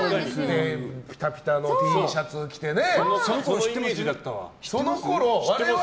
ピタピタのＴシャツ着てね。